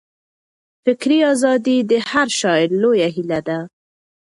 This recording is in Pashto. فکري ازادي د هر شاعر لویه هیله ده.